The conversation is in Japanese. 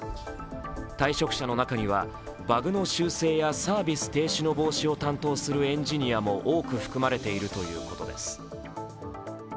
退職者の中にはバグの修正やサービス停止の防止を担当するエンジニアも多く含まれているということです。